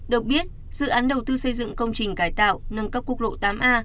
được biết dự án đầu tư xây dựng công trình cải tạo nâng cấp quốc lộ tám a